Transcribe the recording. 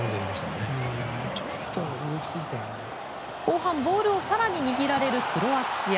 後半、ボールを更に握られるクロアチア。